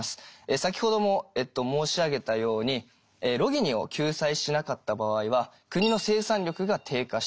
先ほども申し上げたようにロギニを救済しなかった場合は国の生産力が低下してしまう。